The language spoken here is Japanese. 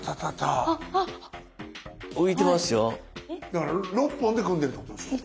だから６本で組んでるってことでしょ？